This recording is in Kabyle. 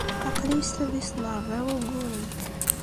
Aql-iyi s tadist n ṛebɛa n wayyuren.